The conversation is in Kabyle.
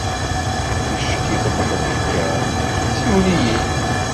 Ticki tewweḍeḍ kan, siwel-iyi-d.